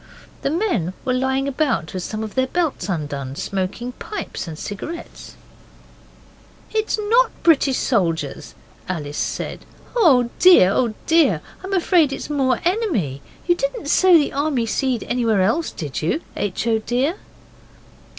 The men were lying about, with some of their belts undone, smoking pipes and cigarettes. 'It's not British soldiers,' Alice said. 'Oh dear, oh dear, I'm afraid it's more enemy. You didn't sow the army seed anywhere else, did you, H. O. dear?